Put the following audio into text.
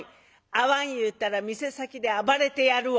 「会わん言うたら店先で暴れてやるわ」。